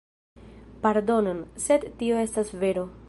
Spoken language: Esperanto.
Pardonon, sed tio estas vero.